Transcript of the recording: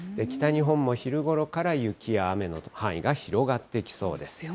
北日本も昼ごろから雪や雨の範囲が広がってきそうです。